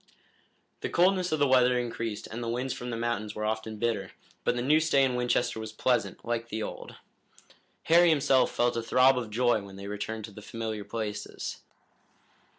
The coldness of the weather increased and the winds from the mountains were often bitter, but the new stay in Winchester was pleasant, like the old. Harry himself felt a throb of joy when they returned to the familiar places.